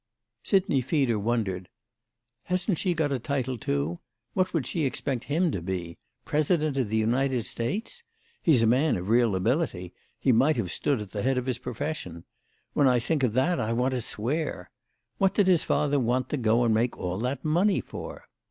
Sidney Feeder wondered. "Hasn't she got a title too? What would she expect him to be? President of the United States? He's a man of real ability—he might have stood at the head of his profession. When I think of that I want to swear. What did his father want to go and make all that money for?"